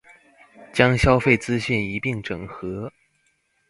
將消費資訊一併整合